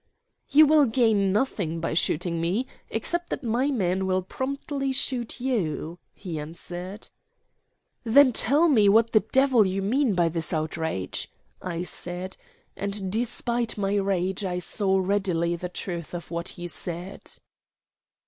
"You will gain nothing by shooting me, except that my men will promptly shoot you," he answered. "Then tell me what the devil you mean by this outrage," I said; and despite my rage I saw readily the truth of what he said.